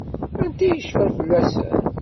Anta i yecfan fell-asent?